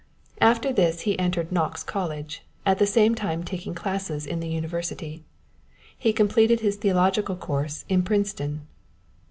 After this he entered Knox College, at the same time taking classes in the University. He completed his theological course in Princeton.